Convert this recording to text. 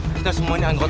kita semua ini anggota